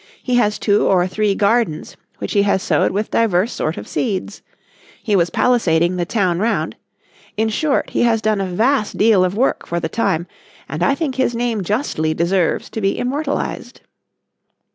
... He has two or three gardens, which he has sowed with divers sort of seeds. ... He was palisading the town round. ... In short he has done a vast deal of work for the time, and I think his name justly deserves to be immortalised."